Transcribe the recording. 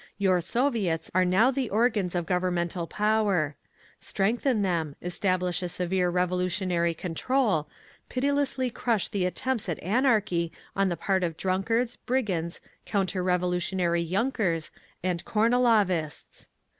Your Soviets are now the organs of governmental power…. Strengthen them, establish a severe revolutionary control, pitilessly crush the attempts at anarchy on the part of drunkards, brigands, counter revolutionary yunkers and Kornilovists.